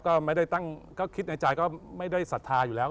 ก็ไม่ได้ตั้งก็คิดในใจก็ไม่ได้ศรัทธาอยู่แล้ว